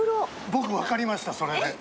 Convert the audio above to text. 僕分かりましたそれで。